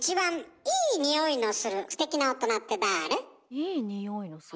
いい匂いのする。